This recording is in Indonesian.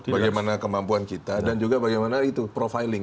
bagaimana kemampuan kita dan juga bagaimana itu profiling